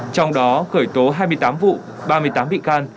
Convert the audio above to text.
trong đó khởi tố hai mươi tám vụ ba mươi tám bị can